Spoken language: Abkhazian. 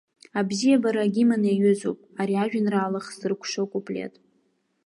Абзиабара агимн иаҩызоуп ари ажәеинраала хзыркәшо акуплет.